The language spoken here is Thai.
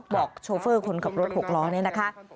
โชเฟอร์คนขับรถหกล้อนี้นะคะ